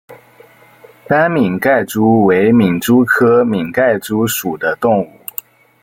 斑皿盖蛛为皿蛛科皿盖蛛属的动物。